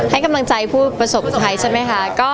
ให้กำลังใจผู้ประสบภัยใช่ไหมคะ